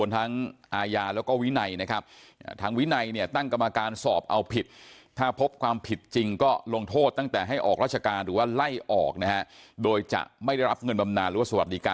เพราะวันนี้เราละเว้นไม่ได้แล้ว